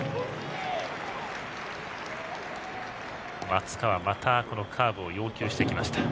松川、またカーブを要求してきました。